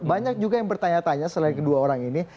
banyak juga yang bertanya tanya selain kedua orang ini